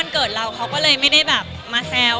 เกิดเราเขาก็เลยไม่ได้แบบมาแซว